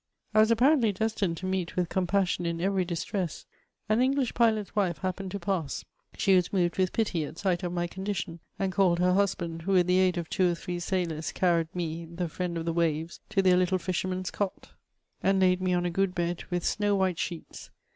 I was apparently destined to meet with compassion in every distress ; an English pilot's wife happened to pass ; she was moved with pity at sight of my condition, and called her hus band, who, with the aid of two or three sailors, carried me, the friend of the waves, to their little fishermen's cot, and laid 2e 2 366 MEMOIBS 07 me on a good bed, with snow white sheets.